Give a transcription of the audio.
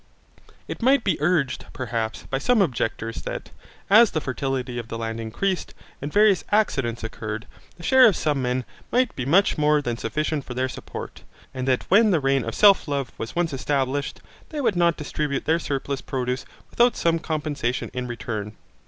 It might be urged perhaps by some objectors that, as the fertility of the land increased, and various accidents occurred, the share of some men might be much more than sufficient for their support, and that when the reign of self love was once established, they would not distribute their surplus produce without some compensation in return.